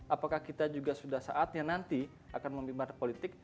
apakah kita juga sudah saatnya nanti akan memimpin partai politik